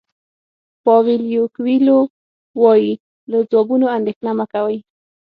پاویلو کویلو وایي له ځوابونو اندېښنه مه کوئ.